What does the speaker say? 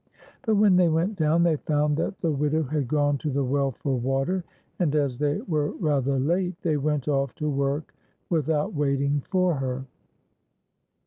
But when they went down, they found that the widow had gone to the well for water, and as they were rather late, they went off to work without waiting for her.